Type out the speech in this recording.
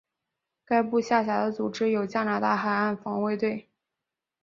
该部下辖的组织有加拿大海岸防卫队。